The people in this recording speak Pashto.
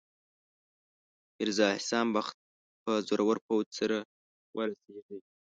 میرزا احسان بخت به زورور پوځ سره ورسیږي.